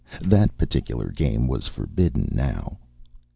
That particular game was forbidden now.